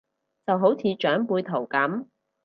就好似長輩圖咁